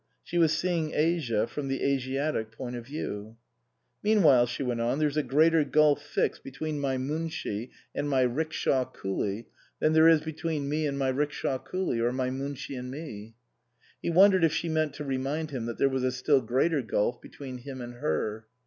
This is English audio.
She was seeing Asia from the Asiatic point of view. " Meanwhile," she went on, " there's a greater gulf fixed between my Munshi and my 'rickshaw 196 OUTWARD BOUND coolie than there is between me and my 'rick shaw coolie, or my Munshi and me." He wondered if she meant to remind him that there was a still greater gulf between him and her.